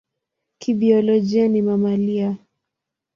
Kibiolojia ni mamalia.